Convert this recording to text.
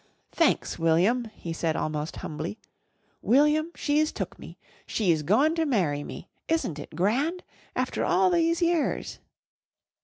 "Thanks, William," he said almost humbly. "William, she's took me. She's goin' ter marry me. Isn't it grand? After all these years!"